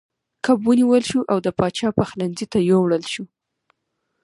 کب ونیول شو او د پاچا پخلنځي ته یووړل شو.